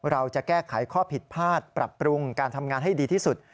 เราจะแก้ไขข้อผิดพลาดปรับปรุงการทำงานให้ดีที่สุด